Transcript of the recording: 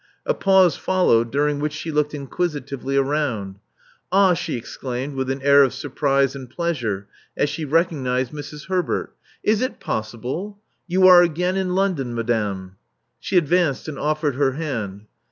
*' A pause followed, during which she looked inquisitively around. Ah!'* she exclaimed, with an air of sur prise and pleasure, as she recognized Mrs. Herbert, Love Among the Artists 435 is it possible? You are again in London, madame." She advanced and offered her hand.